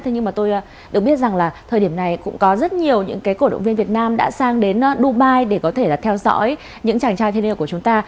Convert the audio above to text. thế nhưng mà tôi được biết rằng là thời điểm này cũng có rất nhiều những cái cổ động viên việt nam đã sang đến dubai để có thể là theo dõi những chàng trai tin yêu của chúng ta